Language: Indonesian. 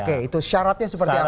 oke itu syaratnya seperti apa